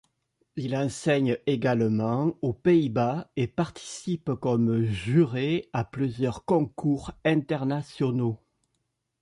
Il enseigne également aux Pays-Bas et participe comme juré à plusieurs concours internationaux.